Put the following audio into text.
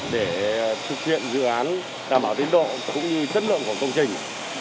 để thực hiện dự án đảm bảo tính độ cũng như chất lượng của công trình